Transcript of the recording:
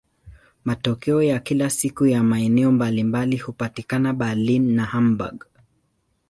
Matoleo ya kila siku ya maeneo mbalimbali hupatikana Berlin na Hamburg.